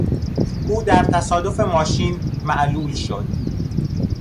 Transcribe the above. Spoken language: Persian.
او در تصادف ماشین معلول شد.